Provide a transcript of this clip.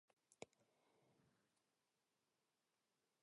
玉鼎柱生十一子。